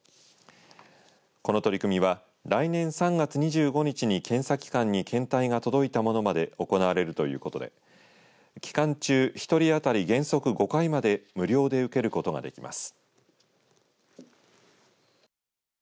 この取り組みは来年３月２５日に検査機械に検体が届いたものまで行われるということで期間中、１人あたり原則５回まで無料で受けることができます。